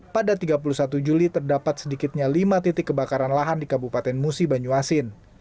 pada tiga puluh satu juli terdapat sedikitnya lima titik kebakaran lahan di kabupaten musi banyuasin